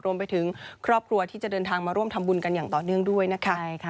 รวมไปถึงครอบครัวที่จะเดินทางมาร่วมทำบุญกันอย่างต่อเนื่องด้วยนะคะ